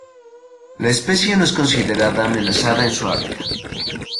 La especie no es considerada amenazada en su hábitat.